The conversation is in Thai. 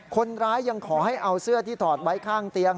คนร้ายยังขอให้เอาเสื้อที่ถอดไว้ข้างเตียง